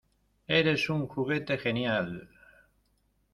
¡ Eres un juguete genial!